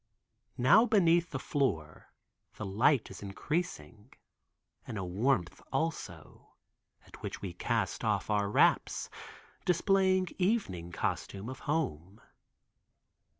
Now beneath the floor, the light is increasing, and a warmth also, at which we cast off our wraps, displaying evening costume of home.